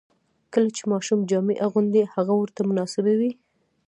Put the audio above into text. کله چې ماشوم جامې اغوندي، هغه ورته مناسبې وي.